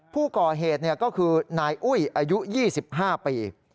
ผู้ก่อเหตุก็คือนายอุ้ยอายุ๒๕ปี